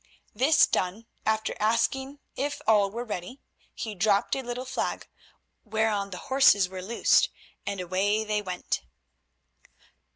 This done, after asking if all were ready, he dropped a little flag, whereon the horses were loosed and away they went.